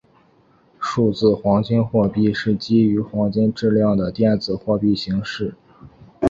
数字黄金货币是一种基于黄金质量的电子货币形式。